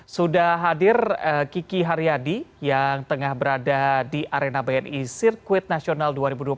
sudah hadir kiki haryadi yang tengah berada di arena bni sirkuit nasional dua ribu dua puluh tiga